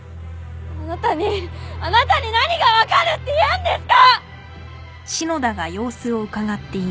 あなたにあなたに何が分かるっていうんですか！